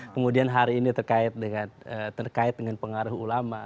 kemudian hari ini terkait dengan pengaruh ulama